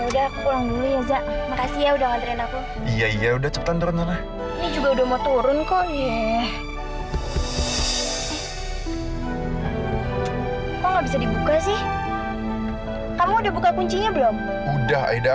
sampai jumpa di video selanjutnya